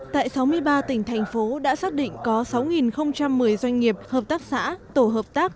tại sáu mươi ba tỉnh thành phố đã xác định có sáu một mươi doanh nghiệp hợp tác xã tổ hợp tác